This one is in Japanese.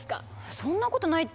そんなことないって。